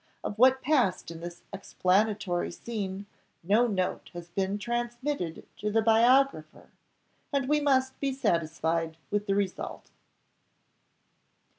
Of what passed in this explanatory scene no note has been transmitted to the biographer, and we must be satisfied with the result.